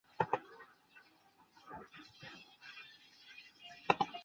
知制诰。